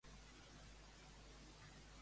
Quin càrrec té Baldoví?